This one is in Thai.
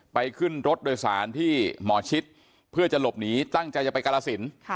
ไปขึ้นรถโดยสารที่หมอชิดเพื่อจะหลบหนีตั้งใจจะไปกาลสิน